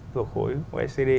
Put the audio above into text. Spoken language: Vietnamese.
thuộc khối oecd